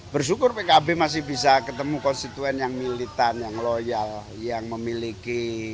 bersyukur pkb masih bisa ketemu konstituen yang militan yang loyal yang memiliki